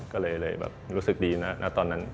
ก็เลยแบบรู้สึกดีนะตอนนั้น